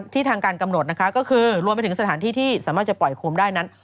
ทางการกำหนดนะคะก็คือรวมไปถึงสถานที่ที่สามารถจะปล่อยโคมได้นั้น